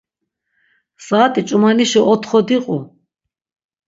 Saat̆i ç̌umanişi otxo diqu.